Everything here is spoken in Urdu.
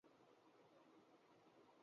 اس پر پابندی ایک معکوس عمل ہے۔